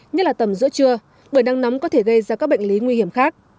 như là tầm giữa trưa bởi nắng nóng có thể gây ra các bệnh lý nguy hiểm khác